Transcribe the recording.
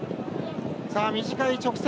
短い直線。